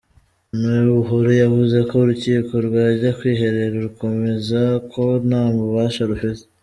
Me Buhuru yavuze ko urukiko rwajya kwiherera rukemeza ko nta bubasha rufite.